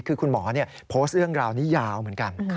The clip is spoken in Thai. คือคุณหมอโพสต์เรื่องราวนี้ยาวเหมือนกัน